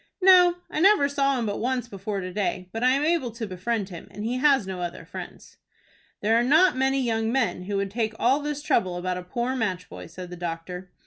"No, I never saw him but once before to day, but I am able to befriend him, and he has no other friends." "There are not many young men who would take all this trouble about a poor match boy," said the doctor.